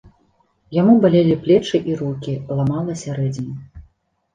Яму балелі плечы і рукі, ламала сярэдзіну.